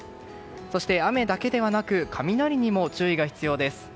そして、雨だけではなく雷にも注意が必要です。